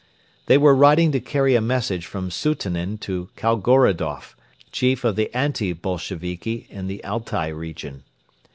They were riding to carry a message from Sutunin to Kaigorodoff, chief of the Anti Bolsheviki in the Altai region.